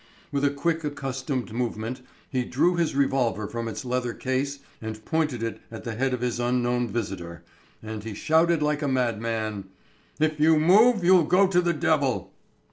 With a quick, accustomed movement he drew his revolver from its leathern case and pointed it at the head of his unknown visitant, and he shouted like a madman, "If you move, you'll go to the devil!"